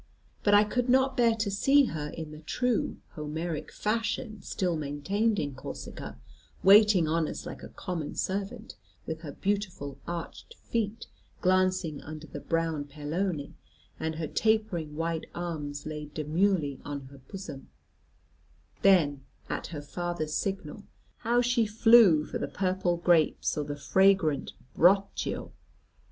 But I could not bear to see her in the true Homeric fashion still maintained in Corsica, waiting on us like a common servant, with her beautiful arched feet glancing under the brown pelone, and her tapering white arms laid demurely on her bosom; then at her father's signal how she flew for the purple grapes or the fragrant broccio!